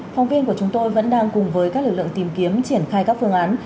phòng viên của chúng tôi vẫn đang cùng với các lực lượng tìm kiếm triển khai các phương án